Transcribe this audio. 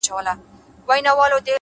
هره ورځ د ځان سمولو فرصت لري’